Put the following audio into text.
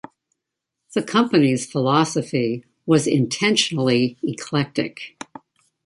The company's philosophy was intentionally eclectic.